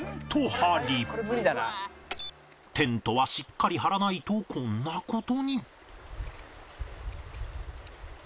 テントはしっかり張らないとこんな事に